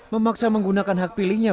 memaksa menggunakan hak pilihnya